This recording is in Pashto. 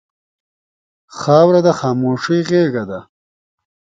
خاوره د خاموشۍ غېږه ده.